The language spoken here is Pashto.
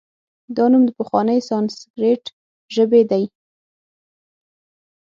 دا نوم د پخوانۍ سانسکریت ژبې دی